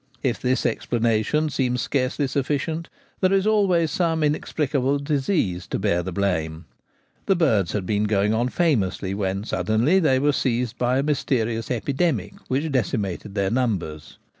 If this explanation seems scarcely sufficient, there is always some inexplicable disease to bear the blame : the birds had been going on famously when suddenly they were seized by a mysterious epidemic which decimated their numbers.